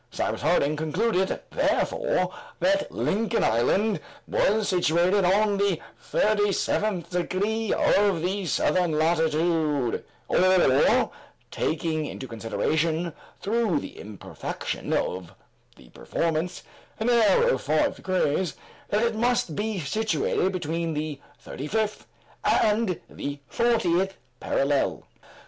Cyrus Harding concluded, therefore, that Lincoln Island was situated on the thirty seventh degree of the southern latitude, or taking into consideration through the imperfection of the performance, an error of five degrees, that it must be situated between the thirty fifth and the fortieth parallel.